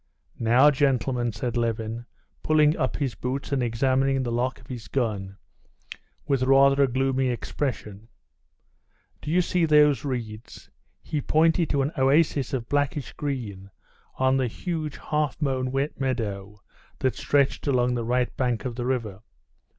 "Now, gentlemen," said Levin, pulling up his boots and examining the lock of his gun with rather a gloomy expression, "do you see those reeds?" He pointed to an oasis of blackish green in the huge half mown wet meadow that stretched along the right bank of the river.